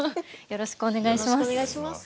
よろしくお願いします。